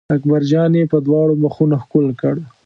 اکبر جان یې په دواړو مخونو ښکل کړ.